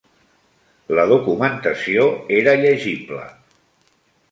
La documentació era llegible.